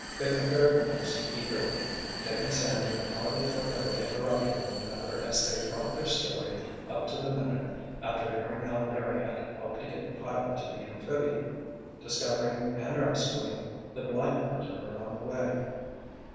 They compared notes eagerly. Dick and Sandy could hardly forego interrupting one another as they brought their story up to the minute after hearing how Larry had helped to get the pilot to the amphibian, discovering and rescuing the life preserver on the way.